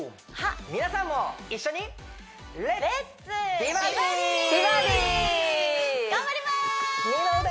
皆さんも一緒に頑張ります二の腕！